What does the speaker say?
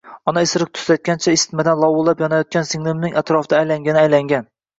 Onam isiriqni tutatgancha, isitmadan lovillab yonayotgan singlimning atrofida aylangani-aylangan